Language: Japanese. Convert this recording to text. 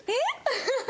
ウフフフ。